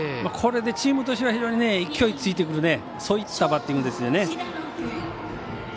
これで、チームとしては非常に勢いがついてくるそういったバッティングですよね。